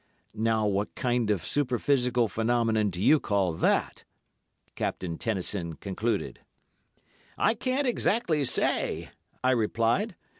Now what kind of superphysical phenomenon do you call that?" Captain Tennison concluded. "I can't exactly say," I replied.